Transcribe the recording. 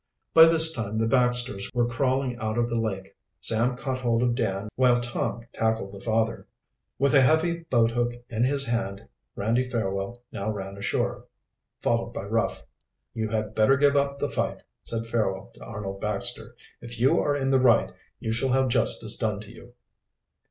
By this time the Baxters were crawling out of the lake. Sam caught hold of Dan while Tom tackled the father. With a heavy boathook in his hand Randy Fairwell now ran ashore, followed by Ruff. "You had better give up the fight," said Fairwell to Arnold Baxter. "If you are in the right, you shall have justice done to you."